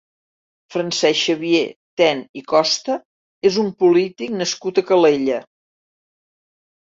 Francesc Xavier Ten i Costa és un polític nascut a Calella.